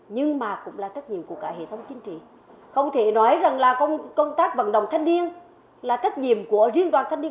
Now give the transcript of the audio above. nhưng mà cũng là trách nhiệm của cả hệ thống chính trị không thể nói rằng là công tác vận động thanh niên là trách nhiệm của riêng đoàn thanh niên